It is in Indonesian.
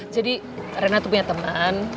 jadi rena tuh punya temen